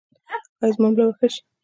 ایا زما ملا به ښه شي؟